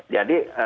jadi salah satu